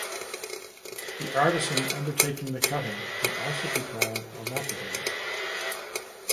The artisan undertaking the cutting can also be called a lapidary.